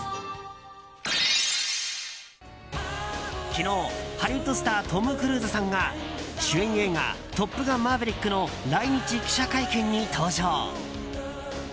昨日、ハリウッドスタートム・クルーズさんが主演映画「トップガンマーヴェリック」の来日記者会見に登場。